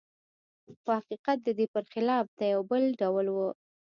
خو حقیقت د دې پرخلاف دی او بل ډول و